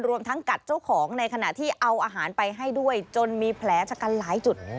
รวมทั้งกัดเจ้าของในขณะที่เอาอาหารไปให้ด้วยจนมีแผลชะกันหลายจุด